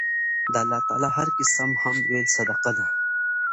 د الله تعالی هر قِسم حمد ويل صدقه ده